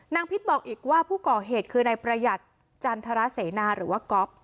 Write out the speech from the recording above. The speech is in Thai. พิษบอกอีกว่าผู้ก่อเหตุคือนายประหยัดจันทรเสนาหรือว่าก๊อฟ